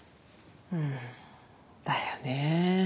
うんだよねえ。